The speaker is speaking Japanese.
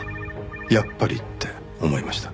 やっぱりって思いました。